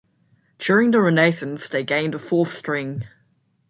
During the Renaissance they gained a fourth string.